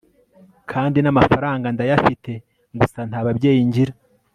kandi namafaranga ndayafite gusa nta babyeyi ngira